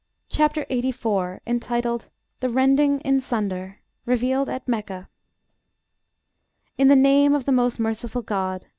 CHAPTER LXXXIV.: INTITLED "THE RENDING IN SUNDER." REVEALED AT MECCA In the name of the most merciful GOD.